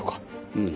うん。